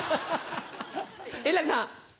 円楽さん。